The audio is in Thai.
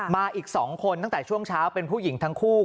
มาอีก๒คนตั้งแต่ช่วงเช้าเป็นผู้หญิงทั้งคู่